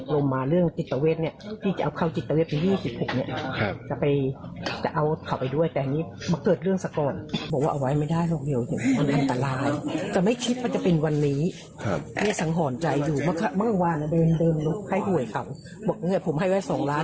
เชียบพันธุ์นี้มันเชียบพันธุ์นะ